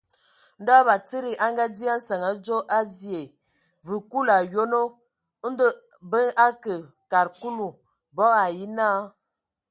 Ndɔ batsidi a ngadzye a nsǝŋ adzo a vyɛɛ̂! Vǝ kul o yonoŋ. Ndɔ bə akǝ kad Kulu, bo ai nye naa.